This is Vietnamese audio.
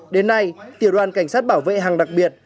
đến nay tiểu đoàn cảnh sát bảo vệ hàng đặc biệt